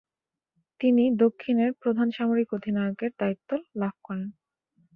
তিনি দক্ষিণের প্রধান সামরিক অধিনায়কের দায়িত্ব লাভ করেন।